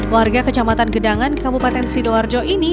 warga kecamatan gedangan kabupaten sidoarjo ini